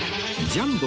ジャンボ！